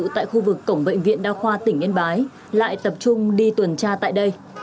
tại khu vực cổng bệnh viện đa khoa tỉnh yên bái lại tập trung đi tuần tra tại đây